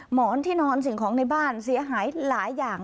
หมอนที่นอนสิ่งของในบ้านเสียหายหลายอย่าง